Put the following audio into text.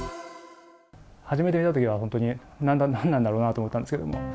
初めて見たときは、本当に何なんだろうなと思ったんですけれども。